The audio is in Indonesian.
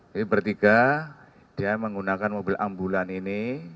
jadi bertiga dia menggunakan mobil ambulan ini